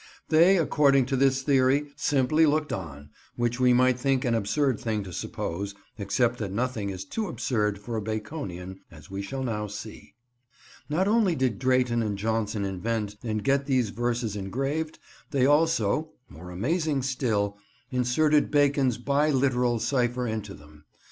They, according to this theory, simply looked on; which we might think an absurd thing to suppose, except that nothing is too absurd for a Baconian, as we shall now see. [Picture: Inscription on Shakespeare's Grave] Not only did Drayton and Jonson invent and get these verses engraved, they also—more amazing still—inserted Bacon's bi literal cipher into them.